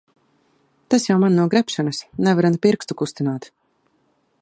Tas jau man no grebšanas. Nevaru ne pirkstu kustināt.